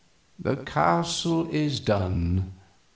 The castle is done.